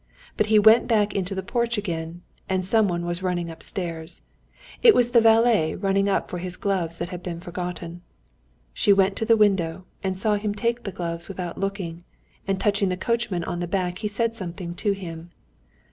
But he went back into the porch again, and someone was running upstairs. It was the valet running up for his gloves that had been forgotten. She went to the window and saw him take the gloves without looking, and touching the coachman on the back he said something to him.